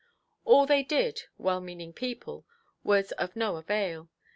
All they did—well–meaning people—was of no avail.